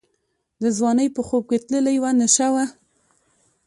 د ځوانۍ په خوب کي تللې وه نشه وه